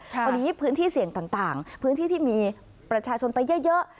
ตอนนี้พื้นที่เสี่ยงต่างพื้นที่ที่มีประชาชนไปเยอะ